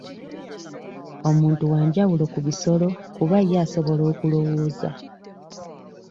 Omuntu wanjawulo ku bisolo kuba ye asobola okulowooza.